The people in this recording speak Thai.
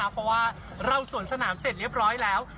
เพราะว่าสนสนามเสร็จแล้ว